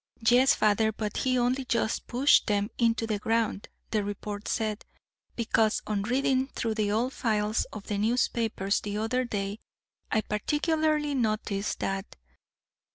"Yes, father, but he only just pushed them into the ground, the report said; because on reading through the old files of the newspapers the other day I particularly noticed that.